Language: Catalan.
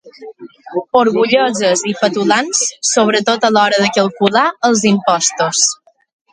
Orgulloses i petulants, sobretot a l'hora de calcular els impostos.